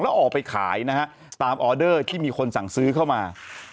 แล้วออกไปขายนะฮะตามออเดอร์ที่มีคนสั่งซื้อเข้ามา